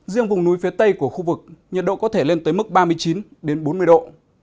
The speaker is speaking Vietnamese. riêng vùng núi phía tây của khu vực nhiệt độ có thể lên tới mức ba mươi chín bốn mươi độ